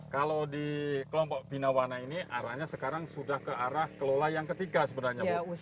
kalau di kelompok binawana ini arahnya sekarang sudah ke arah kelola yang ketiga sebenarnya bu